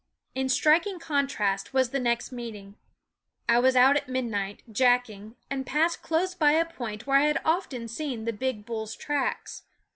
In striking contrast was the next meeting. I was out at midnight, jacking, and passed close by a point where I had often seen the big bull's tracks.